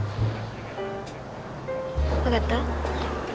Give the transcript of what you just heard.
分かった？